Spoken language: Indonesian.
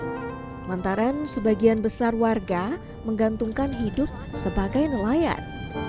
sementara sebagian besar warga menggantungkan hidup sebagai nelayan